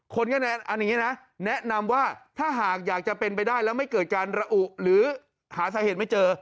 คนก็แนนอันนี้นะแนะนำว่าถ้าหากอยากจะเป็นไปได้แล้วไม่เกิดการระอุหรือหาสาเหตุไม่เจอ